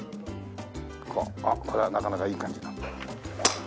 これはなかなかいい感じだ。